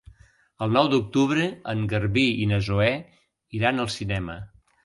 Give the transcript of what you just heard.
El nou d'octubre en Garbí i na Zoè iran al cinema.